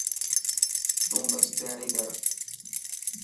تون بس تياري ڪر.